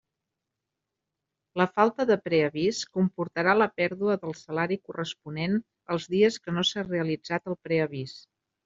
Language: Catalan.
La falta de preavís comportarà la pèrdua del salari corresponent als dies que no s'ha realitzat el preavís.